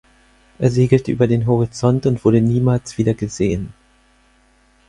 Er segelte über den Horizont und wurde niemals wieder gesehen.